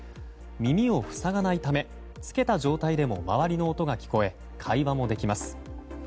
耳をふさがないため着けた状態でも周りの音が聞こえ会話もできます。